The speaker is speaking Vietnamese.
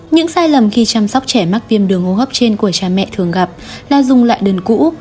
những sai lầm khi chăm sóc trẻ mắc viêm đường hô hấp trên của cha mẹ thường gặp là dùng lại đơn cũ